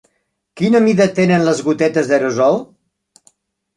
Quina mida tenen les gotetes d'aerosol?